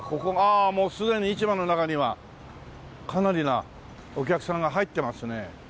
ああもうすでに市場の中にはかなりなお客さんが入ってますね。